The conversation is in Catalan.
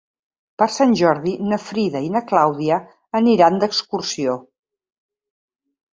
Per Sant Jordi na Frida i na Clàudia aniran d'excursió.